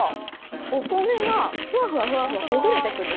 お米がふわふわふわふわ、ほぐれていくんです。